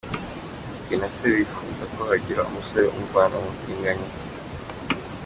Gigi na se wifuza ko hagira umusore umuvana mu butinganyi.